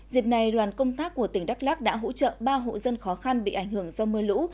dịp này đoàn công tác của tỉnh đắk lắc đã hỗ trợ ba hộ dân khó khăn bị ảnh hưởng do mưa lũ